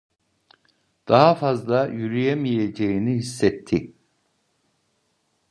Daha fazla yürüyemeyeceğini hissetti.